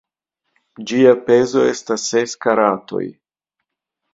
Ĝia pezo estas ses karatoj.